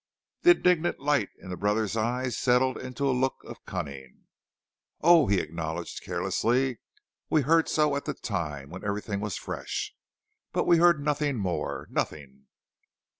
The indignant light in the brother's eye settled into a look of cunning. "Oh," he acknowledged carelessly, "we heard so at the time, when everything was fresh. But we heard nothing more, nothing."